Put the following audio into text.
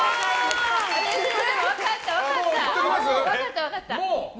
分かった、分かった！